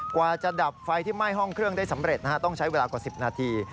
กว่าจะดับไฟที่ไหม้ห้องเครื่องได้สำเร็จนะฮะต้องใช้เวลากว่า๑๐นาที